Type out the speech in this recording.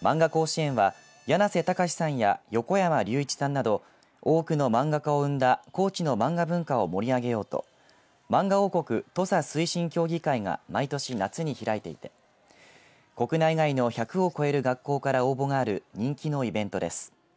まんが甲子園はやなせたかしさんや横山隆一さんなど多くの漫画家を生んだ高知の漫画文化を盛り上げようとまんが王国・土佐推進協議会が毎年夏に開いていて国内外の１００を超える学校から応募がある人気のイベントです。